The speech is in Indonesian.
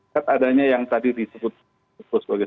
keadaannya yang tadi disebut sebagai